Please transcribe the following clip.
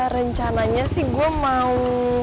rencananya sih gue mau